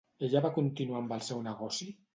Ella va continuar amb el seu negoci?